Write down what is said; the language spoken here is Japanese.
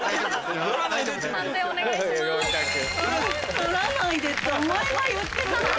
撮らないでってお前が言ってた。